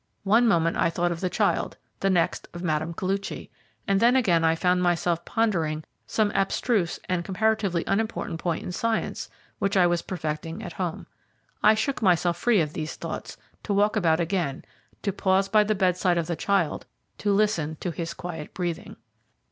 One moment I thought of the child, the next of Mme. Koluchy, and then again I found myself pondering some abstruse and comparatively unimportant point in science, which I was perfecting at home. I shook myself free of these thoughts, to walk about again, to pause by the bedside of the child, to listen to his quiet breathing.